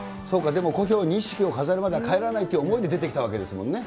そうか、でも、故郷に錦を飾るまでは帰らないという思いで出てきたわけですもん